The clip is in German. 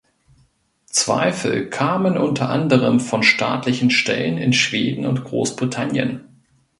Zweifel kamen unter anderem von staatlichen Stellen in Schweden und Großbritannien.